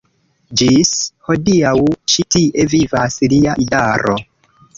Ĝis hodiaŭ ĉi tie vivas lia idaro.